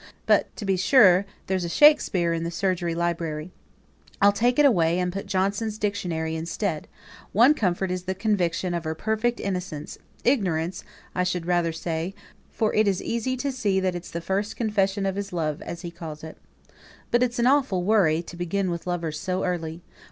but, to be sure, there's a 'Shakspeare' in the surgery library: I'll take it away and put 'Johnson's Dictionary' instead. One comfort is the conviction of her perfect innocence ignorance, I should rather say for it's easy to see it's the first 'confession of his love,' as he calls it. But it's an awful worry to begin with lovers so early.